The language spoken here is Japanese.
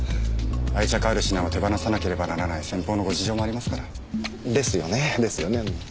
愛着ある品を手放さなければならない先方のご事情もありますから。ですよね。ですよねうん。